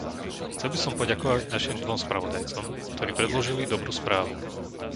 Chcel by som poďakovať našim dvom spravodajcom, ktorí predložili dobrú správu.